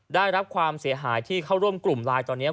ได้รับความเสียหายที่เข้าร่วมกลุ่มไลน์ตอนนี้